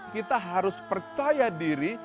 kita harus percaya diri